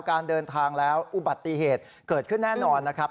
การเดินทางแล้วอุบัติเหตุเกิดขึ้นแน่นอนนะครับ